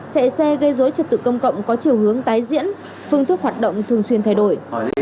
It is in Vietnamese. chạy xe gây dối trật tự công cộng có chiều hướng tái diễn phương thức hoạt động thường xuyên thay đổi